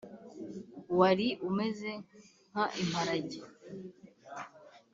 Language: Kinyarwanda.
wari umeze nk imparagee